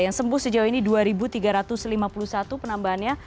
yang sembuh sejauh ini dua tiga ratus lima puluh satu penambahannya